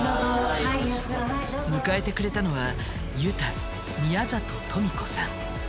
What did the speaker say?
迎えてくれたのはユタ宮里トミ子さん。